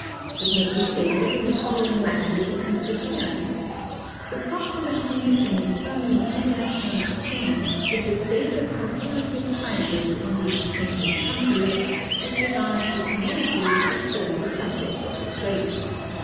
(264) It may be stated in the following language of Mr. Cairnes: "The proximate condition determining international exchange is the state of comparative prices in the exchanging countries as regards the commodities which form the subject of the trade.